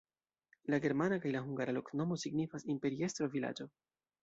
La germana kaj la hungara loknomo signifas: imperiestro-vilaĝo.